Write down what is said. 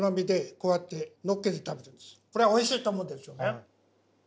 これはおいしいと思うんですよね。